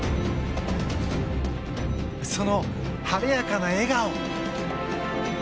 その晴れやかな笑顔。